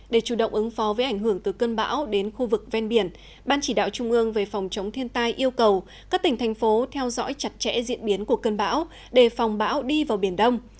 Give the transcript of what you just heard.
để chủ động ứng phó với ảnh hưởng từ cơn bão đến khu vực ven biển ban chỉ đạo trung ương về phòng chống thiên tai yêu cầu các tỉnh thành phố theo dõi chặt chẽ diễn biến của cơn bão để phòng bão đi vào biển đông